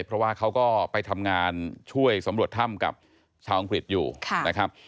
เพราะว่าเขาก็ไปทำงานช่วยสำรวจถ้ำกับชาวอังกฤษอยู่นะครับ